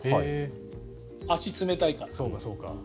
足が冷たいから。